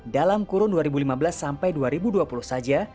dalam kurun dua ribu lima belas sampai dua ribu dua puluh saja